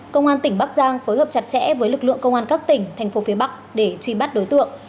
công an tỉnh bắc giang phối hợp chặt chẽ với lực lượng công an các tỉnh thành phố phía bắc để truy bắt đối tượng